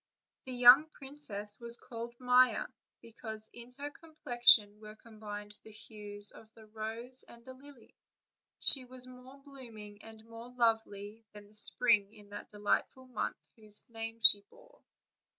The young princess was called Maia, because in her com plexion were combined the hues of the rose and the lily; and she was more blooming and more lovely than the spring in that delightful month whose name she bore.